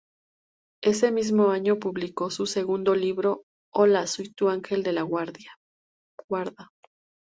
Ese mismo año publicó su segundo libro "Hola soy tu Angel de la Guarda".